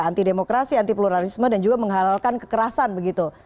anti demokrasi anti pluralisme dan juga menghalalkan kekerasan begitu